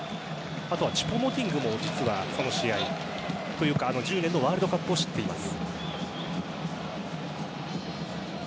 あとはチュポ・モティングも実は、その試合というか１０年のワールドカップを知っています。